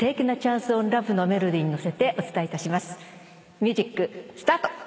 ミュージックスタート！